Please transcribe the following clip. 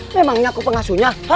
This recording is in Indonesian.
memangnya aku pengasuhnya